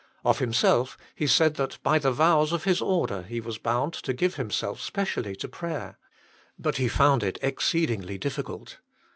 Of himself, he said that by the vows of his Order he was bound to give himself specially to prayer. But he found it exceedingly difficult.